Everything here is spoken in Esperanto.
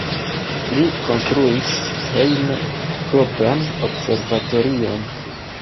Li konstruis hejme propran observatorion.